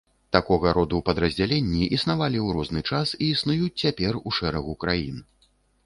Такога роду падраздзялення існавалі ў розны час і існуюць цяпер у шэрагу краін.